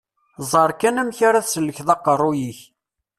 Ẓer kan amek ara tesselkeḍ aqqerruy-ik.